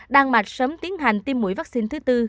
đan mạch sớm tiến hành tiêm mũi vaccine thứ tư